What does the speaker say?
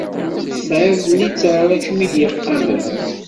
Tesɛid littseɛ ara kem-id-iqamen?